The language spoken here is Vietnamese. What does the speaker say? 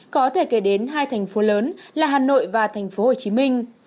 có thể kể đến hai thành phố lớn là hà nội và thành phố hồ chí minh